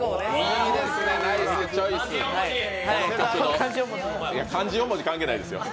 いいですね、ナイスチョイス漢字４文字関係ないですよ。